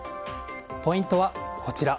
ポイントはこちら。